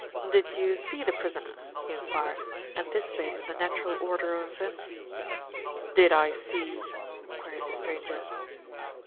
"Did you see the prisoner?" he enquired, anticipat ing the natural order of events. "Did I see?" queried the stranger.